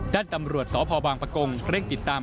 ด้านตำรวจสพบางประกงเร่งติดตาม